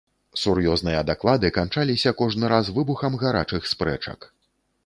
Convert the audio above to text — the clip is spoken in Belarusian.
Сур'ёзныя даклады канчаліся кожны раз выбухам гарачых спрэчак.